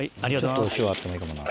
ちょっと塩あってもいいかもな。